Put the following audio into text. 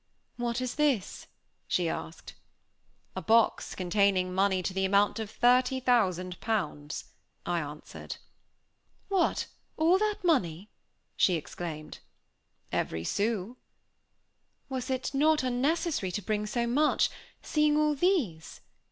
"What is this?" she asked. "A box containing money to the amount of thirty thousand pounds," I answered. "What! all that money?" she exclaimed. "Every sou." "Was it not unnecessary to bring so much, seeing all these?"